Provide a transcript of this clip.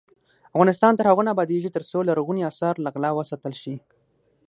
افغانستان تر هغو نه ابادیږي، ترڅو لرغوني اثار له غلا وساتل شي.